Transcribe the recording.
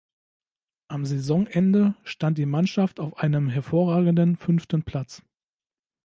Am Saisonende stand die Mannschaft auf einem hervorragenden fünften Platz.